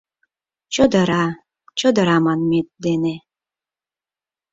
Чодыра, чодыра манмет дене